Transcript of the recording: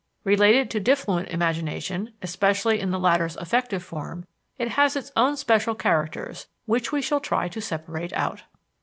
Related to diffluent imagination, especially in the latter's affective form, it has its own special characters, which we shall try to separate out.